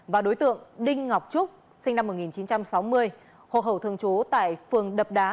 và đối tượng đinh ngọc trúc sinh năm một nghìn chín trăm sáu mươi hộ khẩu thường trú tại phường đập đá